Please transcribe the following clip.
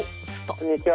こんにちは。